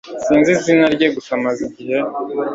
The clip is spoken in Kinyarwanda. sinzi izina rye gusa maze igihe